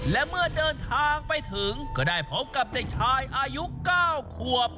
และเมื่อเดินทางไปถึงก็ได้พบกับเด็กชายอายุ๙ขวบ